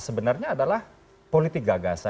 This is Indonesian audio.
sebenarnya adalah politik gagal